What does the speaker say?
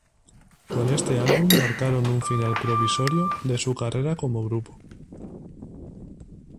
Con este álbum marcaron un final provisorio de su carrera como grupo.